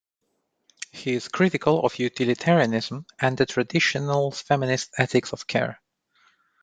He is critical of utilitarianism and the traditional feminist ethics of care.